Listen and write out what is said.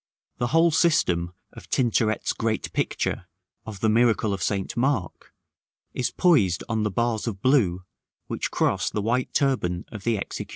The whole system of Tintoret's great picture of the Miracle of St. Mark is poised on the bars of blue, which cross the white turban of the executioner.